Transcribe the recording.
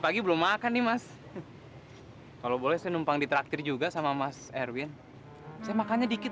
pagi belum makan nih mas kalau boleh saya numpang di traktir juga sama mas erwin saya makannya dikit